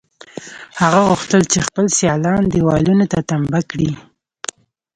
هغه غوښتل چې خپل سیالان دېوالونو ته تمبه کړي